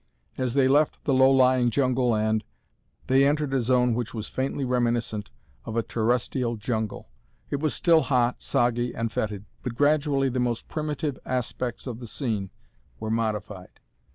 As they left the low lying jungle land they entered a zone which was faintly reminiscent of a terrestial jungle. It was still hot, soggy, and fetid, but gradually the most primitive aspects of the scene were modified.